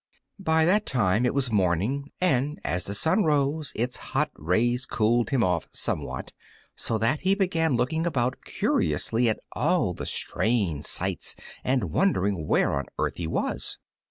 By that time it was morning, and as the sun rose its hot rays cooled him off somewhat, so that he began looking about curiously at all the strange sights and wondering where on earth he was.